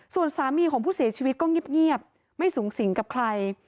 ส่วนสามีของผู้เสียชีวิตก็เงียบไม่สูงสิงกับใคร